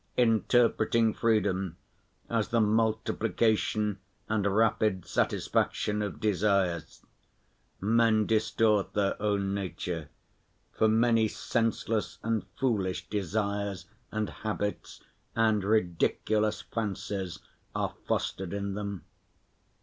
Interpreting freedom as the multiplication and rapid satisfaction of desires, men distort their own nature, for many senseless and foolish desires and habits and ridiculous fancies are fostered in them.